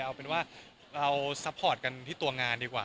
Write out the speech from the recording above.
เอาเป็นว่าเราซัพพอร์ตกันที่ตัวงานดีกว่า